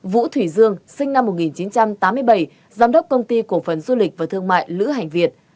vũ thủy dương sinh năm một nghìn chín trăm tám mươi bảy giám đốc công ty cổ phần du lịch và thương mại lữ hành việt